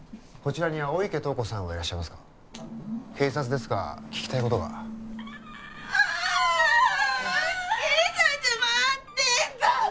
こちらに青池透子さんはいらっしゃいますか警察ですが聞きたいことがああ！